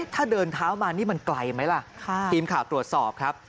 ถ้าเดินเท้ามานี่มันไกลไหมล่ะทีมข่าวตรวจสอบครับ